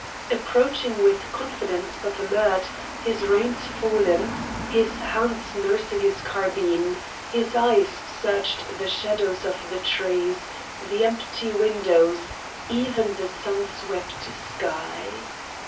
Approaching with confidence, but alert; his reins fallen, his hands nursing his carbine, his eyes searched the shadows of the trees, the empty windows, even the sun swept sky.